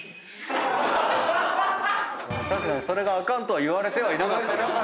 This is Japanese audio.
確かにそれがあかんとは言われてはいなかった。